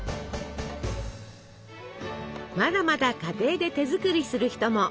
まだまだ家庭で手作りする人も。